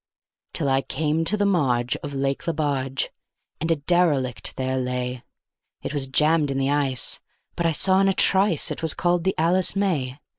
Till I came to the marge of Lake Lebarge, and a derelict there lay; It was jammed in the ice, but I saw in a trice it was called the "Alice May".